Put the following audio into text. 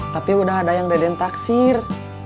tapi udah ada yang deden taksir